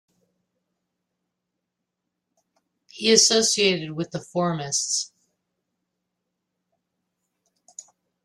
He associated with the Formists.